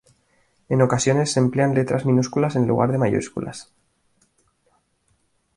En ocasiones se emplean letras minúsculas en lugar de mayúsculas.